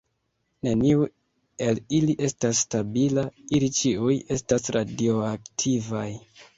Neniu el ili estas stabila; ili ĉiuj estas radioaktivaj.